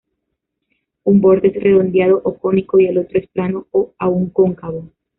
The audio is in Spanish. Un borde es redondeado o cónico y el otro es plano o aún cóncavo.